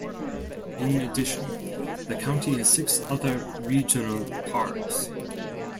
In addition, the county has six other regional parks.